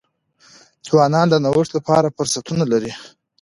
ځوانان د نوښت لپاره فرصتونه لري.